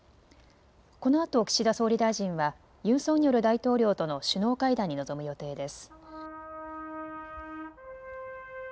このあと岸田総理大臣はユン・ソンニョル大統領との首脳会談に臨む予定です。